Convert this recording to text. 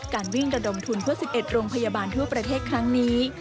การวิ่งระดมทุนเพื่อ๑๑โรงพยาบาลทั่วประเทศครั้งนี้